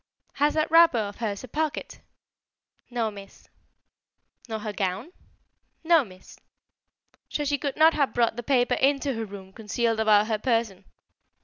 "Has that wrapper of hers a pocket?" "No, Miss." "Nor her gown?" "No, Miss." "So she could not have brought the paper into her room concealed about her person?"